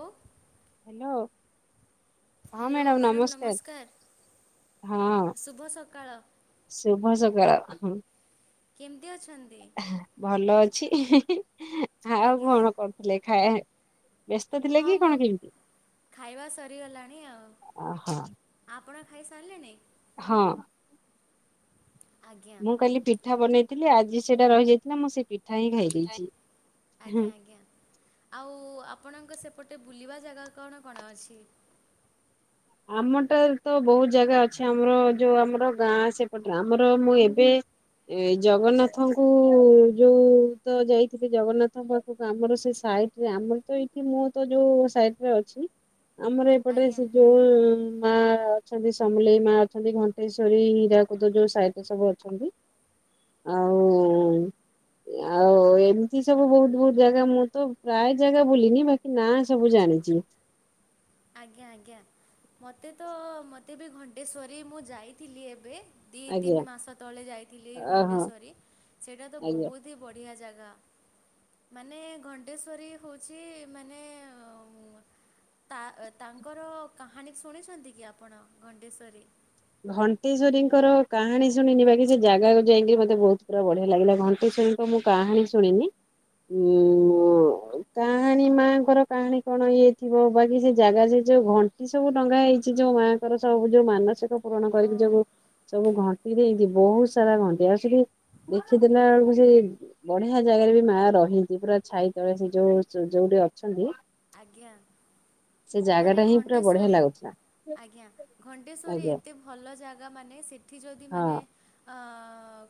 ହୋଉ ହ୍ୟାଲୋ। ହଁ ମ୍ୟାଡ଼ାମ ନମସ୍କାର। ହଁ। ଶୁଭ ସକାଳ ଶୁଭ ସକାଳ। ହଁ। କେମିତି ଅଛନ୍ତି? ଭଲ ଅଛି। ଆଉ ଆଜ୍ଞା କଣ କଣ? ହେଲେ ଖାଏ ବ୍ୟସ୍ତ ଥିଲେ ହଁ କି ମୋ କଣ କେମିତି? ଖାଇବା ସରିଗଲାଣି ଆଉ। ଓହୋ। ଆପଣ ଖାଇସାରିଲେନି? ହଁ। ଆଜ୍ଞା। ମୁଁ କାଲି ପିଠା ବନେଇଥିଲି ଆଜି ସେଇଟା ରହିଯାଇଥିଲା ମୁଁ ସେଇ ପି ପିଠା ଆଜ୍ଞା ଆଜ୍ଞା। ଆଉ ଆପଣଙ୍କ ସେପଟେ ବୁଲିବା ଜାଗା କଣ କଣ ଅଛି? ଆମଟା ତ ବହୁତ ଜାଗା ଅଛି। ଆମର ଯୋଉ ଆମର ଗାଁ ସେପଟରେ ଆମର ମୁଁ ଏବେ ଏ ଜଗନ୍ନାଥଙ୍କୁ ଯୋଉ ତ ଯାଇଥିଲେ। ଜଗନ୍ନାଥଙ୍କ ପାଖକୁ ଆମର ସେ ସହି ଆମର ତ ଏଇଠି ମୁଁ ତ ଯୋଉ ସାଇଡରେ ଅଛି। ଆମର ଏପଟେ ଆଜ୍ଞା [unintelligible] ମା ଅଛନ୍ତି ସମଲେଇ ମା ଅଛନ୍ତି। ଘଣ୍ଟେଶ୍ଵରୀ, ହୀରାକୁଦ ଯୋଉ ସାଇଟରେ ସବୁ ଅଛନ୍ତି। ଆଉ ଆଉ ଏମିତି ସବୁ ବହୁତ ବହୁତ ଜାଗା ମୁଁ ତ ପ୍ରାୟ ଜାଗା ବୁଲିନି ବାକି ନାଁ ସବୁ ଜାଣିଛି। ଆଜ୍ଞା-ଆଜ୍ଞା ମୋତେ ତ ମୋତେ ବି ଘଣ୍ଟେଶ୍ଵରୀ ମୁଁ ଯାଇଥିଲି ଏବେ। ଦିଇ ଆଜ୍ଞା ତିନି ମାସ ତଳେ ଯାଇଥିଲି। ଓହୋ ଘଣ୍ଟେଶ୍ୱରୀ ସେଇଟା ତ ଆଜ୍ଞା ବହୁତ ହି ବଢ଼ିଆ ଜାଗା। ମାନେ ଘଣ୍ଟେଶ୍ୱରୀ ହଉଛି ମାନେ ତା ତାଙ୍କର କାହାଣୀ ଶୁଣିଛନ୍ତି କି ଆପଣ ଘଣ୍ଟେଶ୍ୱରୀ? ଘଣ୍ଟେଶ୍ୱରୀଙ୍କର କାହାଣୀ ଶୁଣିନି ବା କି ସେ ଜାଗାକୁ ଯାଇକି ମତେ ବହୁତ ପୁରା ବଢିଆ ଲାଗିଲା ଘ ଣ୍ଟେଶ୍ୱରୀଙ୍କ ମୁଁ କାହାଣୀ ଶୁଣିନି। ଉଁ କାହାଣୀ ମା ଙ୍କର କାହାଣୀ କଣ ଇଏ ଥିବ ବାକି ସେ ଜାଗା ସେ ଯୋଉ ଘ ଣ୍ଟ ଟଙ୍ଗା ହେଇଚି ଯୋଉ ମାଆ ଙ୍କର ସବୁ ଯୋଉ ମାନସିକ ପୂରଣ ହଁ କରିକି ଯୋଗୁ ସବୁ ଘଣ୍ଟି ଦେଇଛନ୍ତି। ବହୁତ ସାରା ଘଣ୍ଟି ଆଉ ସେଠି ଦେଖିଦେଲା ବେଳକୁ ସେ ବଢିଆ ଜାଗାରେ ବି ମା ରହିନ୍ତି। ପୁରା ଛାଇ ତଳେ ସେ ଯୋଉ ଯୋଉଠି ଅଛନ୍ତି ଆଜ୍ଞା। ସେ ଜାଗା ମାନେ ଟା ହିଁ ପୁରା ବଢିଆ ଘଣ୍ଟେଶ୍ଵରୀ ଲାଗୁଥିଲା ଆଜ୍ଞା। ଘଣ୍ଟେଶ୍ୱରୀ ଆଜ୍ଞା ଏତେ ଭଲ ଜାଗା ମାନେ ସେଠି ଯଦି ମାନେ ହଁ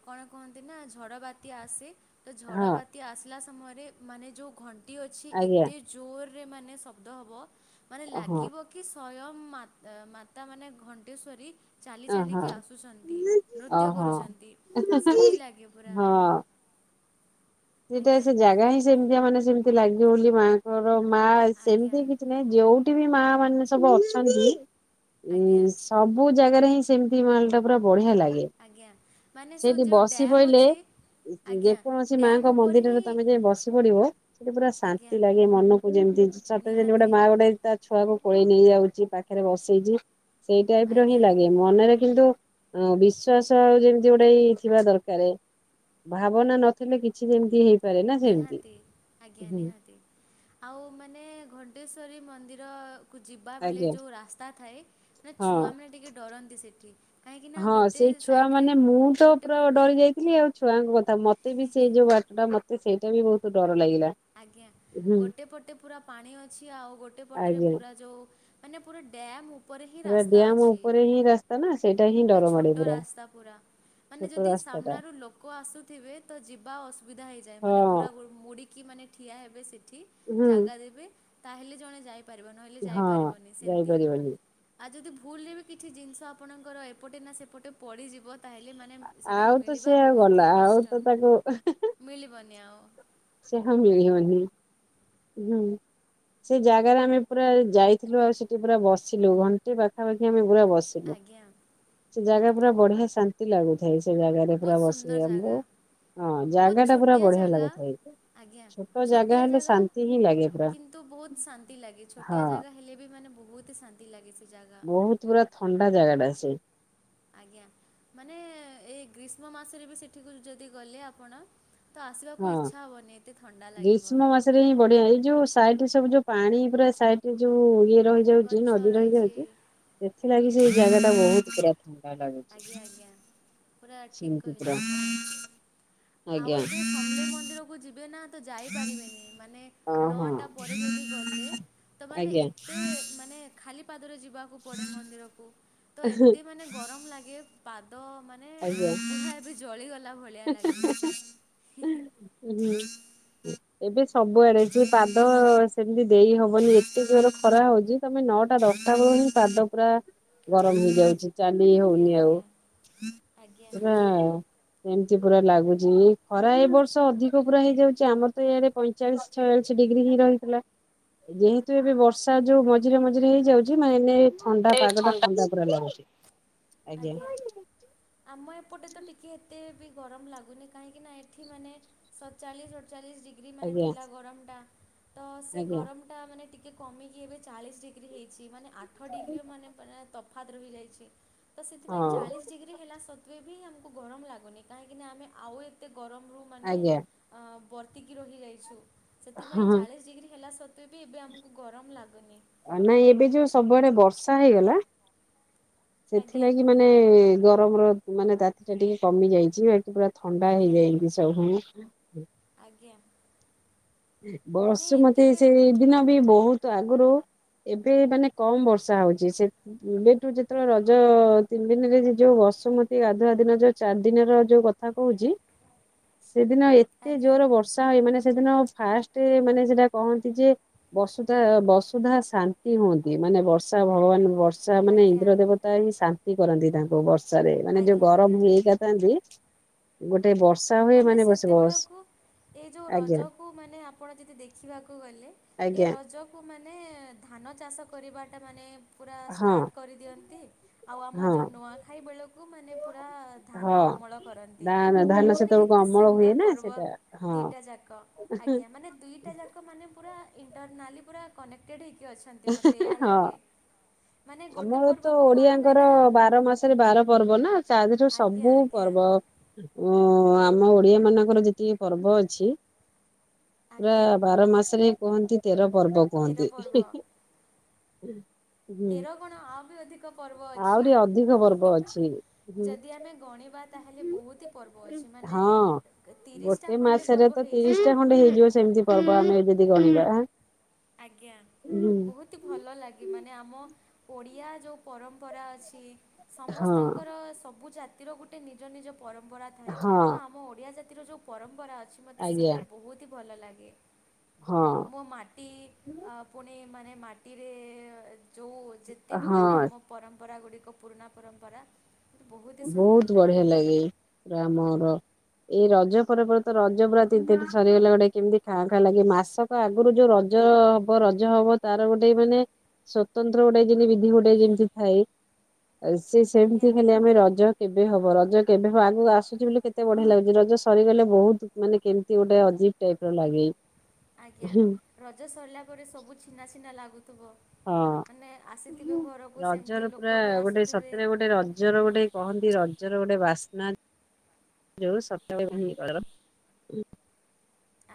କଣ କୁହନ୍ତି ନା ଝଡ଼ ବାତ୍ୟା ଆସେ। ତ ଝଡ଼ ହଁ ବାତ୍ୟା ଆସିଲା ସମୟରେ ମାନେ ଯୋଉ ଘଣ୍ଟି ଅଛି ଆଜ୍ଞା ଏତେ ଜୋରରେ ମାନେ ଶବ୍ଦ ହବ ମାନେ ହଁ ଲାଗିବ କି ସ୍ଵୟଂ ମା ମାତା ମାନେ ଘଣ୍ଟେଶ୍ଵରୀ ଚାଲି ଓହୋ ଚାଲିକି ଆସୁଛନ୍ତି। ନୃତ୍ୟ ଓହୋ କରୁଛନ୍ତି ସେମିତି ଲାଗେ ପୁରା। [inaudible] ସେଟା ଆଜ୍ଞା ସେ ଜାଗା ହିଁ ସେମିତିଆ ମାନେ ସେମିତି ଲାଗିବ ବୋଲି ମାଆଙ୍କର ମା ଆଜ୍ଞା ସେମିତି ମାନେ ଯୋଉଠି ବି ମା ମାନେ ସବୁ ଅଛନ୍ତି ଆଜ୍ଞା ସବୁ ଜାଗାରେ ହିଁ ସେମିତି ମାଲ ଟା ପୁରା ବଢିଆ ଲାଗେ। ଆଜ୍ଞା ମାନେ ସେ ସେଠି ଯୋଉ ବସି ଡ୍ୟାମ୍ ପଇଲେ ଅଛି ଆଜ୍ଞା ଯେକୌଣସି ମା ଡ୍ୟାମ୍ ଉପରେ ମନ୍ଦିରରେ ହିଁ ତମେ ଯଦି ବସି ପଡିବ ସେଠି ପୁରା ଆଜ୍ଞା ଶାନ୍ତି ଲାଗେ। ମନକୁ ଯେମିତି ସତେ ଯେମିତି ଗୋଟେ ନିହାତି ମା ଗୋଟେ ତା ଛୁଆକୁ କୋଳେଇ ନେଇ ଯାଉଛି। ପାଖରେ ବସେଇଛି ସେଇ ଟାଇପ ର ହିଁ ଆଜ୍ଞା ଲାଗେ। ମନରେ କିନ୍ତୁ ଅ ବିଶ୍ୱାସ ଆଉ ଯେମିତି ଗୋଟେ ଥିବା ଦରକାର। ଭାବନା ନଥିଲେ କିଛି ଯେମିତି ହେଇ ନିହାତି ଆଜ୍ଞା ନିହାତି। ଆଉ ମାନେ ଘଣ୍ଟେଶ୍ଵରୀ ମନ୍ଦିର କୁ ଯିବା ବେଳେ ଆଜ୍ଞା ଯୋଉଁ ରାସ୍ତା ଥାଏ। ନା ହଁ ଛୁଆମାନେ ଟିକେ ଡରନ୍ତି ସେଠି। କାହିଁକିନା ହଁ ଗୋଟେ ସେଇ ଛୁଆ ସାଇଡ଼ରେ ମାନେ ମୁଁ ତ ଗୋଟେ ପୁରା ପଟେ ଡରି ଯାଇଥିଲି। ଆଉ ଛୁଆଙ୍କ କଥା ମତେ ବି ସେଇ ଯୋଉ ବା ଟା ମତେ ସେଇଟା ବି ବହୁତ ଡର ଲାଗିଲା। ଆଜ୍ଞା। ହୁଁ ଗୋଟେ ପଟେ ପୁରା ପାଣି ଅଛି ଆଉ ଗୋଟେ ପଟରେ ଆଜ୍ଞା ପୁରା ଯୋଉ ମାନେ ପୁରା ଡ୍ୟାମ୍ ଉପରେ ହିଁ ପୁରା ରାସ୍ତା ଡ୍ୟାମ ଅଛି। ଉପରେ ହିଁ ରାସ୍ତା ନା ସେଇଟା ହିଁ ଗୋଟେ ଡର ମାଡେ ଛୋଟ ପୁରା ରାସ୍ତା ପୁରା। ମାନେ ଛୋଟ ଯଦି ରାସ୍ତା ଟା ସାମ୍ନାରୁ ଲୋକ ଆସୁଥିବେ ତ ଯିବା ଅସୁବିଧା ହେଇଯାଏ। ମାନେ ହଁ ପୁରା ଗୋଡ଼ ମୋଡିକି ମାନେ ଠିଆ ହେବେ ସେଠି ହୁଁ ଜାଗା ଦେବେ ତାହାଲେ ଜଣେ ଯାଇ ପର୍ବ ନହଲେ ହଁ ଯାଇପାରିବନି ସେମିତି। ଯାଇପାରିବନି ଆଉ ଯଦି ଭୁଲରେ ବି କିଛି ଜିନିଷ ଆପଣଙ୍କର ଏପଟେ ନା ସେପଟେ ପଡ଼ିଯିବ ତାହେଲେ ମାନେ ସେଇଟା ଆଉ ତ ସେ ମିଳିବା ଆଉ ବହୁତ ଗଲା ହି ଆଉ କଷ୍ଟ ତ ତାକୁ ମିଳିବନି ଆଉ। ସେ ହଁ ମିଳିିବନି ହୁଁ। ସେ ଜାଗାରେ ଆମେ ପୁରା ଯାଇଥିଲୁ ଆଉ ସେଠି ପୁରା ବସିଲୁ ଘଣ୍ଟେ ପାଖାପାଖି ଆମେ ପୁରା ବସିଲୁ। ଆଜ୍ଞା। ସେ ଜାଗା ପୁରା ବଢିଆ ଶାନ୍ତି। ଲାଗୁଥାଏ ସେ ଜାଗାରେ ବହୁତ ପୁରା ସୁନ୍ଦର ବସିକି ଆମକୁ ଜାଗା ହଁ ବହୁତ ଜାଗା ଟା ପୁରା ଛୋଟିଆ ବଢିଆ ଜାଗା ଲାଗୁଥାଏ। ଆଜ୍ଞା ଛୋଟ ଛୋଟିଆ ହେଲେ ଜାଗା। ଶାନ୍ତି ହିଁ ଲାଗେ ପୁରା କିନ୍ତୁ ବହୁତ ଶାନ୍ତି ଲାଗେ ହଁ ଛୋଟିଆ ଜାଗା ହେଲେ ବି ମାନେ ବହୁତ ଶାନ୍ତି ଲାଗେ ସେ ଜାଗା। ବହୁତ ପୁରା ଥଣ୍ଡା ଜାଗା ଟା ସେ। ଆଜ୍ଞା ମାନେ ଏଇ ଗ୍ରୀଷ୍ମ ମାସରେ ବି ସେଠିକୁ ଯଦି ଗଲେ ଆପଣ ତ ଆସିବାକୁ ହଁ। ଇଚ୍ଛା ହବନି ଏତେ ଥଣ୍ଡା ଲାଗିବ। ଗ୍ରୀଷ୍ମ ହିଁ ବଢିଆ ଏଇ ଯୋଉ ସାଇଟ ରେ ସବୁ ଯୋଉ ପାଣି ପୁରା ସାଇଟ ଯୋଉ ଇଏ ରହିଛି। ଯାଉଛି ଗଛ ନଦୀ ରହିଛି ରହିଯାଉଛି ସେଥିଲାଗି ସେ ଆଜ୍ଞା ଜାଗା ଟା ବହୁତ ପୁରା ଥଣ୍ଡା ଆଜ୍ଞା ଆଜ୍ଞା ଲାଗୁଛି ପୁରା ଠିକ୍ କହିଲେ ଶି ଆପଣ [unintelligible] ଆଉ ଏବେ ସମଲେଇ ମନ୍ଦିରକୁ ଯିବେ ନା ଯାଇପାରିବେନି ମାନେ ହଁ ହଁ ନଟା ପରେ ଯଦି ଗଲେ ତ ମାନେ ଆଜ୍ଞା ଏତେ ଖାଲି ପାଦରେ ଯିବାକୁ ପଡ଼େ ମନ୍ଦିରକୁ ତ ଏତେ ମାନେ ଗରମ ଲାଗେ। ପାଦ ମାନେ ପୁରା ଏବେ ଜଳିଗଲା ଭଳିଆ। ପ [unintelligible] ହଁ। ହୁଁ। ଏବେ ସବୁଆଡେ ସ ପାଦ ସେମିତି ଦେଇ ହବନି ଏତେ ଜୋରେ ଖରା ହଉଛି। ନଅଟା ଦଶଟା ବେଳକୁ ହିଁ ପାଦ ପୁରା ଗରମ ହେଇଯାଉଛି। ଚାଲି ଆଜ୍ଞା ହଉନି ଆଉ ଆଜ୍ଞା ଆଜ୍ଞା। ନା। ଏମତି ପୁରା ଲାଗୁଛି ଖରା ଏ ବର୍ଷ ଅଧିକ ପୁରା ହେଇଯାଉଛି ଆମର ତ ଇଆଡେ ଚାଳିଶ ଛୟାଳିଶ ଡିଗ୍ରୀ ହିଁ ରହିଥିଲା ଯେହେତୁ ଏବେ ବର୍ଷା ଯୋଉ ମଝିରେ ମଝିରେ ହେଇ ଯାଉଛି ଏଇନା ଏ ଥଣ୍ଡା ପାଗ ଟା ଥଣ୍ଡା ପୁରା ଲାଗୁଛି। ଆଜ୍ଞା। ଆମ ଏପଟେ ତ ଟିକିଏ ଏତେ ବି ଗରମ ଲାଗୁନି କାହିଁକିନା ଏଠି ମାନେ ସତଚାଳିଶ ଅଠଚାଳିଶ ଡିଗ୍ରୀ ମାନେ ଆଜ୍ଞା ଥିଲା ଗରମଟା ତ ସେ ଆଜ୍ଞା। ଗରମ ଟିକେ କମିକି ଏବେ ଚାଳିଶ ଡିଗ୍ରୀ ହେଇଚି ମାନେ ଆଠ ଡିଗ୍ରୀ ମାନେ ତପ ତଫାତ ରହିଯାଇଛି ତ ସେଥିପାଇଁ ହଁ ଚାଳିଶ ଡିଗ୍ରୀ ହେଲା ଲେବି ଆମକୁ ଗରମ ଲାଗୁନି କାହିଁକିନା ଆମେ ଆଉ ଏତେ ଗରମରୁ ମାନେ ଆଜ୍ଞା ବର୍ତ୍ତିକି ରହିଯାଇଛୁ। ସେଥିପାଇଁ ହଁ ଚାଳିଶ ଡିଗ୍ରୀ ହେଲା ସତ୍ତ୍ୱେ ବି ଏବେ ଆମକୁ ଗରମ ଲାଗୁନି। ନାଇଁ ଏବେ ଯୋଉ ସବୁଆଡେ ବର୍ଷା ହେଇଗଲା ଆଜ୍ଞା ସେଥିଲାଗି ମାନେ ଗରମର ମାନେ ତାତି ଟା ଟିକେ କମି ଯାଇଛି ବା ପୁରା ଥଣ୍ଡା ଆଜ୍ଞା ହେଇଯାଇଛି। ସବୁ ଆଜ୍ଞା। ମାନେ ବର୍ଷୁମତୀ ଏତେ ସେଇ ଦିନ ବି ବହୁତ ଆଗରୁ ଏବେ ମାନେ କମ୍ ବର୍ଷା ହୋଉଛି ସେ ଏବେଠୁ ଯେତେବେଳେ ରଜ ତିନି ଦିନରେ ଯୋଉ ବସୁମତୀ ଗାଧୁଆ ଦିନ ଯୋଉ ଚାରି ଦିନର ଯୋଉ କଥା କହୁଛି ସେଦିନ ଏତେ ଆଜ୍ଞା ଜୋର ବର୍ଷା ହୁଏ ମାନେ ସେଦିନ ଫାଷ୍ଟ ମାନେ ସେଟା କହନ୍ତି ଯେ ବସୁଧା ବସୁଧା ଶାନ୍ତି ହୁଅନ୍ତି ମାନେ ବର୍ଷା ଭଗବାନ ବର୍ଷା ବର୍ଷା ମାନେ ଆଜ୍ଞା ଇନ୍ଦ୍ର ଦେବତା ହିଁ ଶାନ୍ତି କରନ୍ତି ତାଙ୍କୁ ବର୍ଷା। ରେ ମାନେ ଯୋଉ ଆଜ୍ଞା ଆଜ୍ଞା ଗରମ ହୁଏ ଅଇକାଥାନ୍ତି ଗୋଟେ ବର୍ଷା ହୁଏ ମାନେ ବସ ବସ୍ ସେତେବେଳକୁ ଏ ଯୋଉ ଆଜ୍ଞା ରଜ କୁ ମାନେ ଆପଣ ଯଦି ଦେଖିବାକୁ ଗଲେ ଏ ଆଜ୍ଞା ରଜ ତାକୁ ମାନେ ଧାନ ଚାଷ କରିବାଟା ମାନେ ପୁରା ହଁ ଷ୍ଟାର୍ଟ କରିଦିଅନ୍ତି। ଆଉ ଆମ ହଁ ଯୋଉ ନୂଆଖାଇ ବେଳକୁ ମାନେ ପୁରା ହଁ। ଧାନ ଅମଳ କରନ୍ତି। [unintelligible] ମାନେ କେତେ ହୁଏ ସୁନ୍ଦର ନା ପର୍ବ ସେଟା ହଁ ଦିଟା ଯାକ ଆଜ୍ଞା। ମାନେ ଦୁଇଟା ଯାକ ମାନେ ପୁରା ଇଣ୍ଟରନାଲି ପୁରା କନେକ୍ଟେଡ଼୍ ହେଇକି ଅଛନ୍ତି ମୋତେ ଏହା ହଁ ଲାଗେ। ମାନେ ଗୋଟେ ଆମର ତ ପର୍ବକୁ କଣ ହୁଏ ଓଡିଆଙ୍କର ନା ବାର ମାସରେ ବାର ପର୍ବ ନା ଚାରି ଯୋଉ ଆଜ୍ଞା ସବୁ ଆଜ୍ଞା ପର୍ବ ଆମ ଓଡିଆ ମାନଙ୍କର ଯେତିକି ପର୍ବ ଅଛି। ପୁରା ଆଜ୍ଞା ବାର ମାସରେ କୁହନ୍ତି ତେର ପର୍ବ ତେର କୁହନ୍ତି। ପର୍ବ। ହୁଁ। ତେର କଣ ଆଉ ବି ଅଧିକ ପର୍ବ ଅଛି। ଆହୁରି ଅଧିକ ପର୍ବ ଅଛି ହୁଁ ଯଦି ଆମେ ଗଣିବା ତାହେଲେ ବହୁତ ହି ପର୍ବ ଅଛି ମାନେ ହଁ ତିରିଶଟା ଗୋଟେ ଖଣ୍ଡେ ମାସରେ ପର୍ବ ତ ହେଇଯିବ ତିରିଶଟା ଆମର। ଖଣ୍ଡେ ହେଇଯିବ ସେମିତି ପର୍ବ ଆମେ ଯଦି ଗଣିବାମ ଆଜ୍ଞା ବହୁତ ଅତି ଭଲ ଲାଗେ ମାନେ ଆମ ଓଡ଼ିଆ ଯୋଉ ପରମ୍ପରା ଅଛି। ହଁ ସମସ୍ତଙ୍କର ସବୁ ଜାତିର ଗୋଟେ ନିଜ ନିଜ ପରମ୍ପରା ଥାଏ ହଁ ତ ଆମ ଓଡ଼ିଆ ଜାତି ଯୋଉ ପରମ୍ପରା ଅଛି ମୋତେ ଆଜ୍ଞା ସେଇଟା ବହୁତ ହି ଭଲ ଲାଗେ। ହଁ। ମୋ ମାଟି ପୁଣି ମାନେ ମାଟିରେ ଯେଉଁ ଯେତେ ବି ମାନେ ହଁ ଆମ ପରମ୍ପରା ଗୁଡ଼ିକ ପୁରୁଣା ପରମ୍ପରା। ମୋତେ ବହୁତ ହି ସୁନ୍ଦର ବହୁତ ବଢିଆ ଲାଗେ ପୁରା ଆମର ଏଇ ରଜ ପର୍ବରେ ତ ରଜ ପୁରା ତିନି ଦିନ ସରିଗଲା ଗୋଟେ କେମିତି ଖାଁ ଖାଁ ଲାଗେ ମାସ ଆଗରୁ ଯୋଉ ରଜ ହବ ରଜ ହବ ତାର ଗୋଟେ ମାନେ ସ୍ଵତନ୍ତ୍ର ଗୋଟେ ଯେମତି ବିଧି ଗୋଟେ ଯେମତି ଥାଏ ସେ ଆଜ୍ଞା ସେମିତି ହେଲେ ଆମର ରଜ କେବେ ହବ ରଜ କେବେ ହବ ଆଗକୁ ଆସୁଛି ବୋଲି କେତେ ବଢିଆ ଲାଗୁଛି ରଜ ସରିଗଲେ ବହୁତ ମାନେ କେମିତି ଗୋଟେ ଅଜୀବ ଟାଇପର ଲାଗେ। ଆଜ୍ଞା ହଁ। ରଜ ସରିଲା ପରେ ସବୁ ଛିନା ଛିନା ଲାଗୁଥିବ? ମାନେ ଆସିଥିବେ ଘରକୁ ସେମିତି ରଜର ପୁରା ଲୋକ ବି ଗୋଟେ ଆସୁଥିବେ। ସତରେ ଗୋଟେ ରଜର ଗୋଟେ କହନ୍ତି ରଜର ଗୋଟେ ବାସ୍ନା ଅଛି। [unintelligible]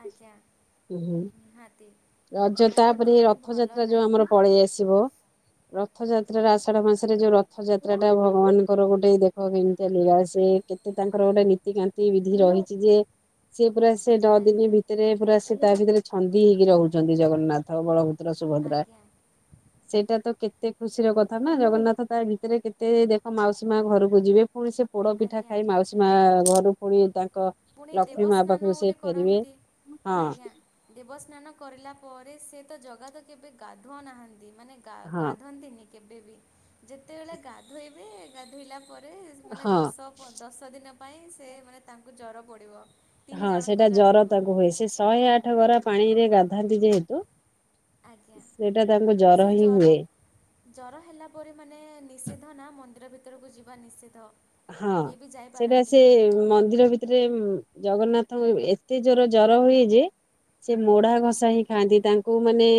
ଆଜ୍ଞା ନିହାତି। ରଜ ବହୁତ ତାପରେ ମାନେ ଭଲ ରଥଯାତ୍ରା ଯୋଉ ଲାଗେ ଆମର ପଳେଇ ଆସିବ। ରଥଯାତ୍ରାର ଆଷାଢ଼ ମାସରେ ଯୋଉ ରଥଯାତ୍ରାଟା ଭଗବାନଙ୍କର ଗୋଟେ ଦେଖ କେମିତି ଅଲଗା ସେ କେତେ ତାଙ୍କର ଗୋଟେ ନୀତିକାନ୍ତି ବିଧି ରହିଛି ଯେ ସିଏ ପୁରା ସେ ନଅ ଆଜ୍ଞା ଦିନ ଆଜ୍ଞା ଭିତରେ ପୁରା ସେ ତା ଭିତରେ ଛନ୍ଦି ହେଇକି ରହୁଛନ୍ତି ଜଗନ୍ନାଥ। ଆଉ ବଳଭଦ୍ର ସୁଭଦ୍ରା। ଆଜ୍ଞା ସେଇଟା ତ କେତେ ଖୁସିର କଥା ନା ଜଗନ୍ନାଥ ତା ଭିତରେ କେତେ ଦେଖ ମାଉସୀ ମା ଘରକୁ ଯିବେ ପୁଣି ସେ ପୋଡ ପିଠା ଆଜ୍ଞା ଖାଇ ମାଉସୀ ମା ଘରୁ ପୁଣି ତାଙ୍କ ପୁଣି ଲକ୍ଷ୍ମୀ ମା ଦେବସ୍ନାନ ପାଖକୁ ସେ ଗୋଟେ ଫେରିବେ କରନ୍ତି। ଆଜ୍ଞା। ହଁ। ଦେବସ୍ନାନ କରିଲା ପରେ ସେ ତ ଜଗା ତ କେବେ ଗାଧୁଅ ନାହାନ୍ତି ମାନେ ହଁ ଗାଧନ୍ତିନି କେବେବି ଯେତେବେଳେ ଗାଧୋଇବେ ଗାଧୋଇଲା ତା ପରେ ମାନେ ହଁ। ଦଶ ଦଶ ଦିନ ପାଇଁ ସେ ମାନେ ତାଙ୍କୁ ଜର ପଡିବ। ହଁ ସେଇଟା ଜର ତାଙ୍କୁ ହୁଏ ସେ ଶହେ ଆଠ ଗରା ପାଣି ରେ ଗାଧାନ୍ତି ଯେହେତୁ ଆଜ୍ଞା ସେଇଟା ତାଙ୍କୁ ଜର ହିଁ ହୁଏ। ଜ୍ଵର ହେଲା ପରେ ମାନେ ନିଷେଧ ନା ମନ୍ଦିର ଭିତରକୁ ଯିବା ନିଷେଧ। ହଁ କେହି ବି ସେଇଟା ସେ ଯାଇପାରନ୍ତିନି ମନ୍ଦିର ଭିତରେ ଜଗନ୍ନାଥଙ୍କ ଏତେ ଜୋର ଜର ହୁଏ ଯେ ସେ ମୋଡା ଘସା ହିଁ ଖାଆନ୍ତି ତାଙ୍କ ତାଙ୍କୁ ମାନେ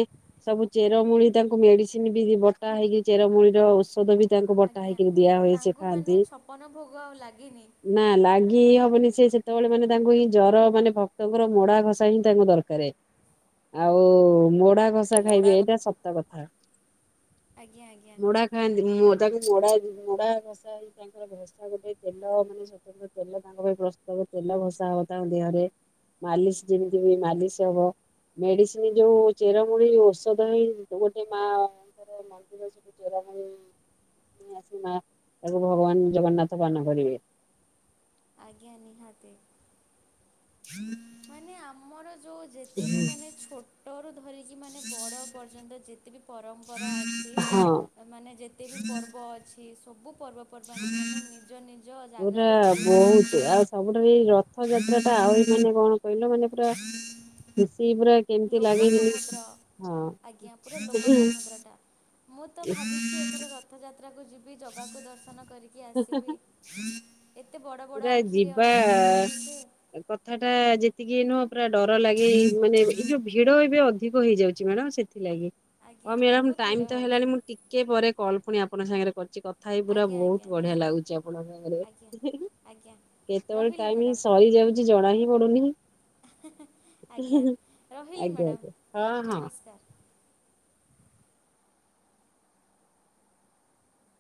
ସବୁ ଚେରମୂଳି ତାଙ୍କୁ ମେଡିସିନ ବି ବଟା ହେଇକି ଚେରମୂଳି ର ଔଷଧ ବି ତାଙ୍କୁ ବଟା ହେଇକିରି ଦିଆ ହୁଏ ସେଖାଆନ୍ତି। ଅନ ଭୋଗ ଆଉ ଲାଗେନି। ନା ଲାଗି ହବନି ସେ ସେତେବେଳେ ମାନେ ତାଙ୍କୁ ହିଁ ଜର ମାନେ ଭକ୍ତଙ୍କର ମୋଡା ଘଷା ହିଁ ତାଙ୍କ ଦରକାରେ। ଆଉ ମୋଡା ଘସା ମୋଡ଼ା ଖାଇବେ ଏଇଟା ସତ କଥା ଆଜ୍ଞା ଆଜ୍ଞା। ଖାନ୍ତି ତାଙ୍କ ମୋଡା ମୋଡା ଘଷା ହେଇ ତାଙ୍କର ଘସା ଗୋଟେ ତେଲ ମାନେ ସ୍ଵତ ତେଲ ତାଙ୍କ ପାଇଁ ପ୍ରସ୍ତତ ତେଲ ଘସା ହବ ତାଙ୍କ ଦେହରେ ମାଲିସ ଯେମିତି ହୁଏ ମାଲିସ ହବ ମେଡିସିନ ଯୋଉ ଚେରମୁଳି ଔଷଧ ହେଇ ଗୋଟେ ମାଙ୍କର [unintelligible] ଆସି ମା ତାକୁ ଭଗବାନ। ଜଗନ୍ନାଥ ପାନ କରିବେ। ଆଜ୍ଞା ନିହାତି। [inaudible] ମାନେ ଆମର ଯୋଉ ଯେତେ ବି ମାନେ ଛୋଟରୁ ଧରିକି ମାନେ ବଡ଼ ପର୍ଯ୍ୟନ୍ତ ଯେତେବି ପରମ୍ପରା ଅଛି ହଁ ମାନେ ଯେତେ ବି ପର୍ବ ଅଛି ସବୁ ପର୍ବ ପର୍ବାଣି ମାନେ ନିଜ ନିଜ ପୁରା ଜାଗାରେ ବହୁତ ସୁନ୍ଦର। ଆଉ ସବୁଠାରୁ ଏଇ ରଥ ଯାତ୍ରା ଟା ଆହୁରି ମାନେ କଣ କହିଲ ମାନେ ପୁରା। [unintelligible] ଲୋକ ଯେମିତି ସମୁଦ୍ର ହଁ ଆଜ୍ଞା ପୁରା ଲୋକ ସମୁଦ୍ରଟା। ମୁଁ ତ ଭାବିଛି ଏଥର ରଥଯାତ୍ରାକୁ ଯିବି ଜଗାକୁ ଦର୍ଶନ କରି। କିଏ ଆସିବେ ଏତେ ବଡ଼ ବଡ଼ ଆଖିରେ ଅନେଇକି ରହିଛି ସେ କଥା ଟା ଯେତିକି ନୁହଁ ପୁରା ଡର ଲାଗେ ମାନେ ଏଇ ଯୋଉ ଭିଡ ଏବେ ଅଧିକ ହେଇଯାଉଛି ମ୍ୟାଡାମ ସେ ଥିଲାଗି ହଉ ଆଜ୍ଞା ମାଡାମ ବହୁତ ଭିଡ଼ ଟାଇମ ତ ହେଲାଣି ହେଉଛି। ମୁଁ ଟି କେ ପରେ କଲ୍ ପୁଣି ଆପଣଙ୍କ ସାଙ୍ଗରେ କରୁଚି କଥା ହେଇକି ପୁରା ଆଜ୍ଞା ଆଜ୍ଞା ବହୁତ ବଢିଆ ନିହାତି। ଲାଗୁଛି ଆପଣଙ୍କ ସାଙ୍ଗରେ। ଆଜ୍ଞା ଆଜ୍ଞା କେତେବେଳେ ରହିଲି ଟାଇମ୍ ମ୍ୟାଡ଼ାମ୍ ସରିଯାଉଛି ଜଣା ହିଁ ପଡୁନି। ଆଜ୍ଞା ରହିଲି ଆଜ୍ଞା ମ୍ୟାଡ଼ାମ୍ ଆଜ୍ଞା ହଁ ହଁ। ନମସ୍କାର